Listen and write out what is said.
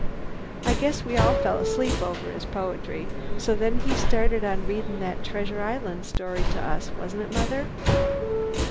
I guess we all fell asleep over his poetry, so then he started on readin' that 'Treasure Island' story to us, wasn't it, Mother?